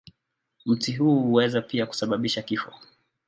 Mti huu huweza pia kusababisha kifo.